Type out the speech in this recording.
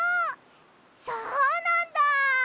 そうなんだ！